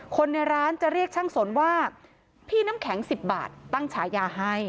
คนในร้านจะเรียกช่างสนว่าพี่น้ำแข็ง๑๐บาทตั้งฉายาให้